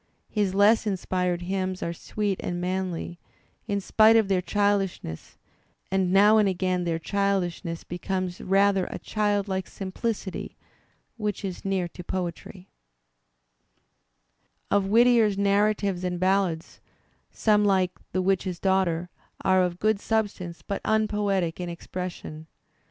His less inspired hymns are sweet and manly, in spite of their childishness, and now and again their childishness becomes rather a childlike simplicity which is near to poetry. Digitized by Google 118 THE SPIRIT OF AMERICAN LITERATURE Of Whittier's narratiyes and ballads, some, like "The itch's Daughter/' are of good substance but unpoetie in expression.